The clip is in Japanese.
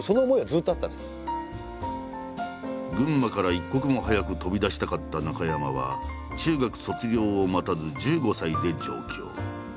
群馬から一刻も早く飛び出したかった中山は中学卒業を待たず１５歳で上京。